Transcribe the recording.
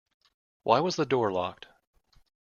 Why was the door locked?